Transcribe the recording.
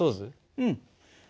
うん。